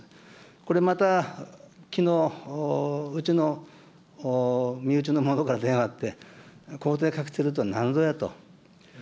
これまたきのう、うちの身内の者から電話あって、抗体カクテルとはなんぞやと。